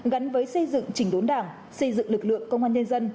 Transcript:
gắn với xây dựng chỉnh đốn đảng xây dựng lực lượng công an nhân dân